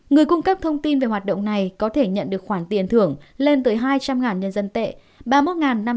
người cung cấp thông tin về hoạt động này có thể nhận được khoản tiền thưởng lên tới hai trăm linh nhân dân tệ ba mươi một năm trăm bảy mươi đô